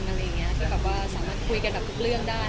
ที่สามารถคุยกันกับคุกเลื่อนได้